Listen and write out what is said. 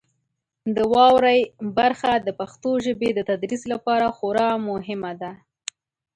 د واورئ برخه د پښتو ژبې د تدریس لپاره خورا مهمه ده.